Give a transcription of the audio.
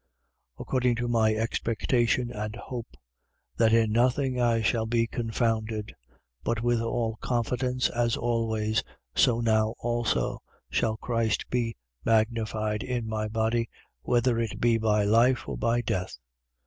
According to my expectation and hope; that in nothing I shall be confounded: but with all confidence, as always, so now also, shall Christ be magnified in my body, whether it be by life or by death.